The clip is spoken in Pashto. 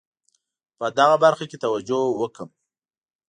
په دغه برخه کې توجه وکړم.